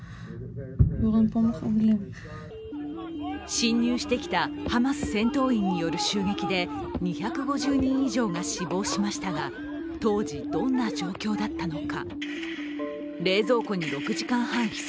侵入してきたハマス戦闘員による襲撃で２５０人以上が死亡しましたが、当時、どんな状況だったのか。